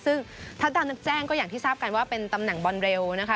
ซึ่งถ้าตามนักแจ้งก็อย่างที่ทราบกันว่าเป็นตำแหน่งบอลเร็วนะคะ